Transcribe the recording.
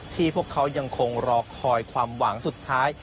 พวกเขายังคงรอคอยความหวังสุดท้าย